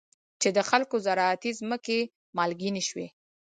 چې د خلکو زراعتي ځمکې مالګینې شوي.